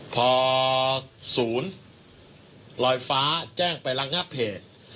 พอศูนย์ลอยฟ้าแจ้งไประงับเหตุ